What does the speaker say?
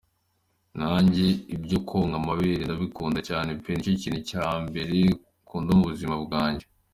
nanjye ibyo konka amabere ndabikuda cyane pe nicyo kintu cyabere kuda mubuzima bwanj.